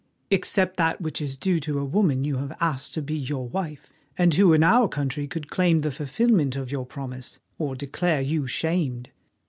"Except that which is due to a woman you have asked to be your wife, and who in our country could claim the fulfilment of your promise, or declare you shamed.